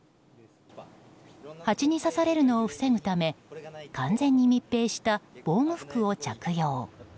ハチに刺されるのを防ぐため完全に密閉した防護服を着用。